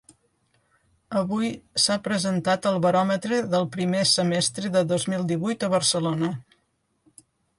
Avui s’ha presentat el baròmetre del primer semestre de dos mil divuit a Barcelona.